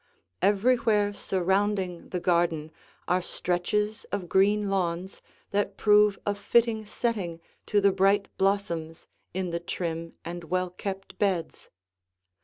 Everywhere surrounding the garden are stretches of green lawns that prove a fitting setting to the bright blossoms in the trim and well kept beds.